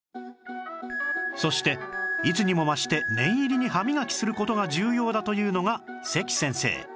そしていつにも増して念入りに歯みがきする事が重要だというのが関先生